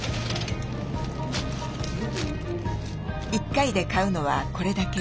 １回で買うのはこれだけ。